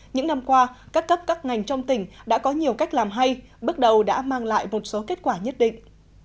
những năm qua các cấp các ngành trong tỉnh đã có nhiều cách làm hay bước đầu đã mang lại một số kết quả nhất định